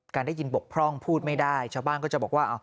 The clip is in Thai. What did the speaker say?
ได้ยินบกพร่องพูดไม่ได้ชาวบ้านก็จะบอกว่า